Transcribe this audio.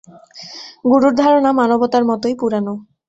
গুরুর ধারণা মানবতার মতোই পুরানো।